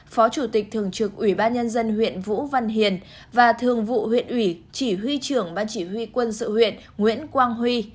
phó chủ tịch thường trực ủy ban nhân dân huyện vũ văn hiền và thường vụ huyện ủy chỉ huy trưởng ban chỉ huy quân sự huyện nguyễn quang huy